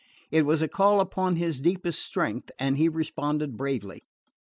It was a call upon his deepest strength, and he responded bravely.